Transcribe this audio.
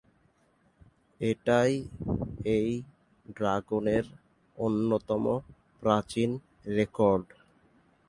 এটাই এই ড্রাগনের অন্যতম প্রাচীন রেকর্ড।